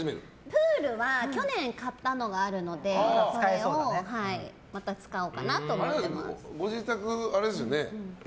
プールは去年買ったのがあるのでそれをまた使おうかなと思ってます。